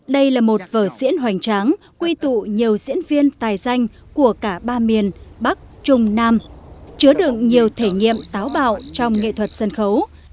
đây là một vở diễn hoành tráng quy tụ nhiều diễn viên tài danh của cả ba miền bắc trung nam chứa được nhiều thể nghiệm táo bạo trong nghệ thuật sân khấu